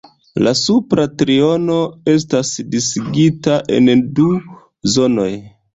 La supra triono estas disigita en du zonoj.